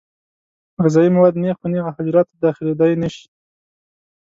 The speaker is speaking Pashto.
غذایي مواد نېغ په نېغه حجراتو ته داخلېدای نشي.